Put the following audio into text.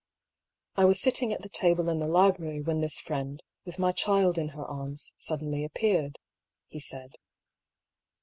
" I was sitting at the table in the library when this friend, with my child in her arms, suddenly appeared," he said.